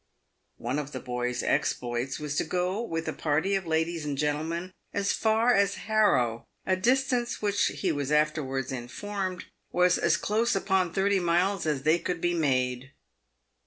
One of the boy's exploits was to go with a party of ladies and gen tlemen as far as Harrow, a distance which he was afterwards informed " was as close upon thirty miles as they could be made."